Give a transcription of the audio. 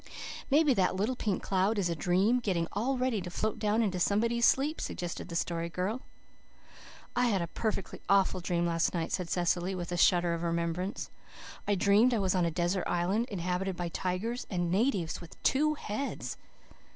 "Maybe that little pink cloud is a dream, getting all ready to float down into somebody's sleep," suggested the Story Girl. "I had a perfectly awful dream last night," said Cecily, with a shudder of remembrance. "I dreamed I was on a desert island inhabited by tigers and natives with two heads."